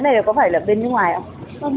cái này có phải là bên ngoài không